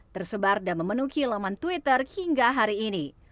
tersebar dan memenuhi laman twitter hingga hari ini